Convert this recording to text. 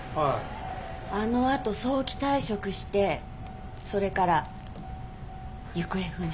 あのあと早期退職してそれから行方不明。